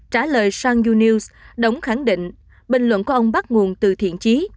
trả lời shanyu news đỗng khẳng định bình luận của ông bắt nguồn từ thiện chí